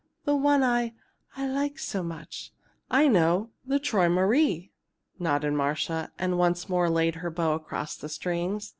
The one I I like so much!" "I know the 'Träumerei,'" nodded Marcia, and once more laid her bow across the strings.